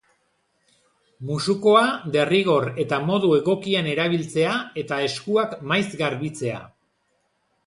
Musukoa derrigor eta modu egokian erabiltzea eta eskuak maiz garbitzea.